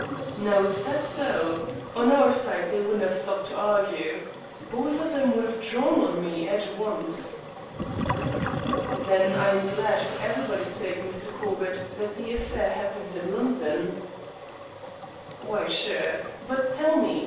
"Now, is that so? On our side they wouldn't have stopped to argy. Both of 'em would have drawn on me at once." "Then I am glad, for everybody's sake, Mr. Corbett, that the affair happened in London." "Why, sure. But tell me.